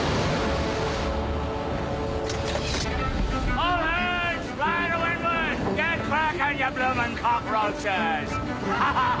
フハハハ！